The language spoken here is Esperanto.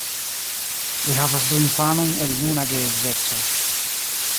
Li havas du infanojn el nuna geedzeco.